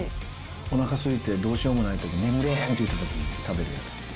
おなかすいてどうしようもないとき、眠れへんっていうとき食べるんです。